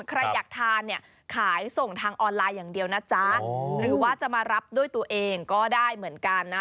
ใครอยากทานเนี่ยขายส่งทางออนไลน์อย่างเดียวนะจ๊ะหรือว่าจะมารับด้วยตัวเองก็ได้เหมือนกันนะ